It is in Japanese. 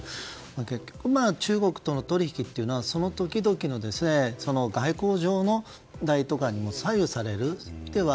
結局、中国との取引というのはその時々の外交上のものに左右されるということも